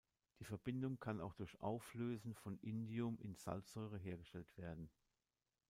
Die Verbindung kann auch durch Auflösen von Indium in Salzsäure hergestellt werden.